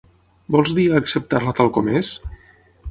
Vols dir a acceptar-la tal com és?